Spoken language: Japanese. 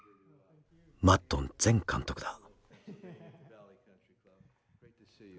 マッドン前監督だ。